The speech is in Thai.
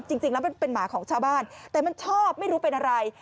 จริงแล้วมันเป็นหมาของชาวบ้านแต่มันชอบไม่รู้เป็นอะไร